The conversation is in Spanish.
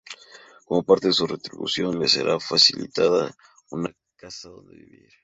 Como parte de su retribución, le será facilitada una casa donde vivir.